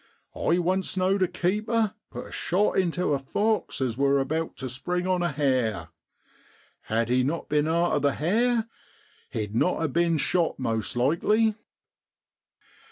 I once knowed a keeper put a shot intu a fox as wor about tu spring on a hare ; had he not been arter the hare he'd not ha' bin shot most likely.